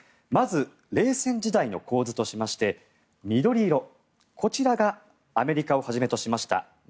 まず、冷戦時代の構図としまして緑色、こちらがアメリカをはじめとしました